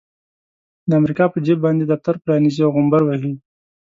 د امريکا په جيب باندې دفتر پرانيزي او غومبر وهي.